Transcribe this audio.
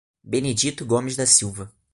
Benedito Gomes da Silva